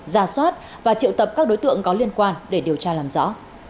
ra soát và triệu tập các đối tượng có liên quan để điều tra làm rõ